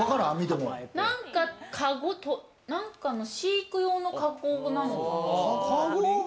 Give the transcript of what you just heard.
何かの飼育用のカゴなのかな？